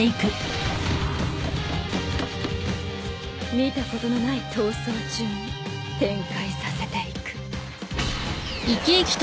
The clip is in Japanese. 見たことのない逃走中に展開させていく。